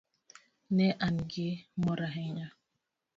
Ne an gi mor ahinya.